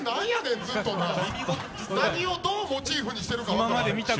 何をどうモチーフにしているか分からへん！